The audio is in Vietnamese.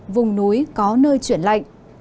vùng núi có nơi chuyển lạnh